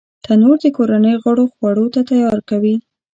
تنور د کورنۍ غړو خوړو ته تیاری کوي